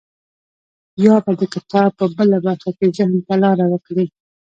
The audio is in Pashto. يا به د کتاب په بله برخه کې ذهن ته لاره وکړي.